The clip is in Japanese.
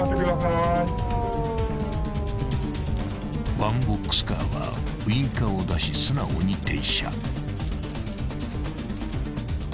［ワンボックスカーはウインカーを出し素直に停車］